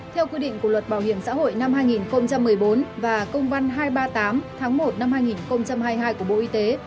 theo quy định của luật bảo hiểm xã hội năm hai nghìn một mươi bốn và công văn hai trăm ba mươi tám tháng một năm hai nghìn hai mươi hai của bộ y tế